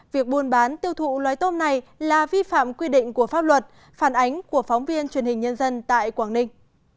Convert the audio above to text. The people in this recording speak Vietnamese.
việc buôn bán tiêu thụ loài tôm này là vi phạm quy định của pháp luật phản ánh của phóng viên truyền hình nhân dân tại quảng ninh